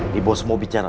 ini bos mau bicara